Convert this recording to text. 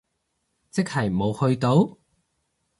即係冇去到？